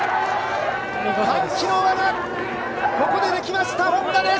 歓喜の輪がここでできました、Ｈｏｎｄａです。